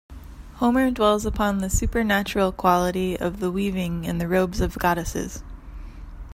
Homer dwells upon the supernatural quality of the weaving in the robes of goddesses.